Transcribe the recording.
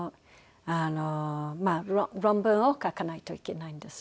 まあ論文を書かないといけないんです。